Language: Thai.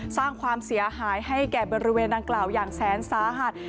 สร้างความเสียหายให้แก่บริเวณดังกล่าวอย่างแสนสาหัส